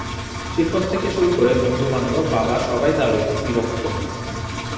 শিক্ষক থেকে শুরু করে বন্ধু-বান্ধব বাবা সবাই তার উপর বিরক্ত।